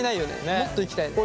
もっといきたいね。